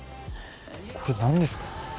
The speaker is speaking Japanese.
これ何ですか？